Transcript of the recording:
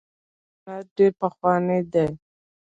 د لرګیو صنعت ډیر پخوانی دی.